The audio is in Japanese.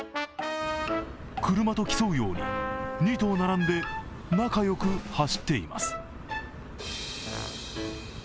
車と競うように２頭並んで仲良く走っています。